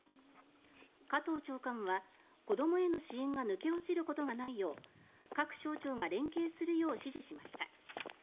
加藤長官は子どもへの支援が抜け落ちることがないよう各省庁が連携するよう指示しました。